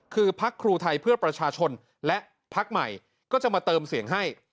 คือพักครูไทยเพื่อประชาชนและพักใหม่ก็จะมาเติมเสียงให้